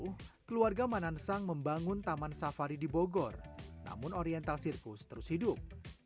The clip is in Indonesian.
pada seribu sembilan ratus delapan puluh keluarga manansang membangun taman safari di bogor namun oriental sirkus terus hidup